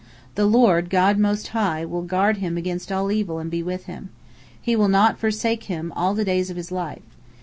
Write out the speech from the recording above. The Lord, God Most High, will guard him against all evil and be with him. He will not forsake him all the days of his life.